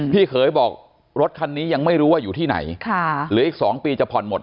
พี่เขยบอกรถคันนี้ยังไม่รู้ว่าอยู่ที่ไหนเหลืออีก๒ปีจะผ่อนหมด